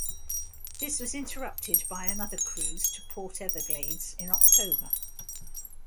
This was interrupted by another cruise to Port Everglades in October.